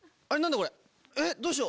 これどうしよう！